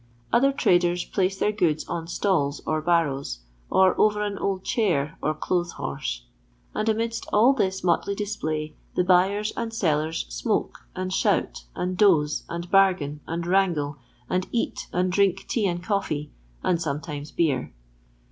Other traders place their goods on stalls or bar rows, or over an old chair or clothes horse. And amidst all this motley display the buyers and sellers smoke, and shout, and doze, and bargain, and wrangle, and eat and drink tea and coffee, and sometimes beer.